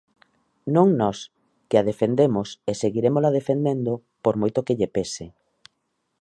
Non nós, que a defendemos e seguirémola defendendo por moito que lle pese.